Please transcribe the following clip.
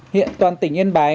hiện toàn tỉnh yên bái